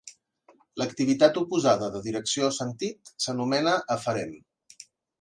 L'activitat oposada de direcció o sentit s'anomena aferent.